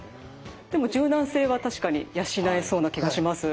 でも柔軟性は確かに養えそうな気がします。